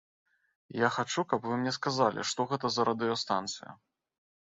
Я хачу, каб вы мне сказалі, што гэта за радыёстанцыя.